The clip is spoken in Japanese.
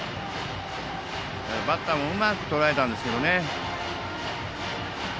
バッターもうまくとらえたんですけど。